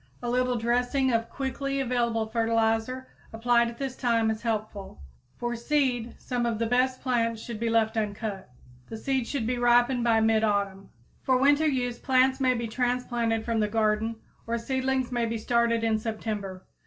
A little dressing of quickly available fertilizer applied at this time is helpful. For seed some of the best plants should be left uncut. The seed should ripen by mid autumn. For winter use plants may be transplanted from the garden, or seedlings may be started in September.